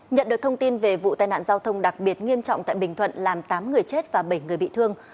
nhận được thông tin về vụ tai nạn giao thông đặc biệt nghiêm trọng tại bình thuận làm tám người chết và bảy người bị thương